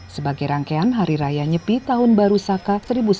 sebagai rangkaian hari raya nyepi tahun baru saka seribu sembilan ratus empat puluh